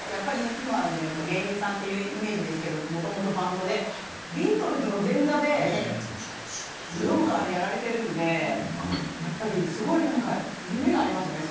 芸人さんというイメージですがもともとバンドでビートルズの前座で武道館をやられてるんでやっぱりすごい夢がありますよね。